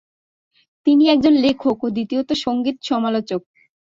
তিনি একজন লেখক ও দ্বিতীয়ত সঙ্গীত সমালোচক।